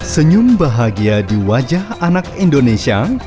senyum bahagia di wajah anak indonesia